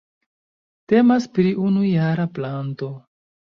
Temas pri unujara planto.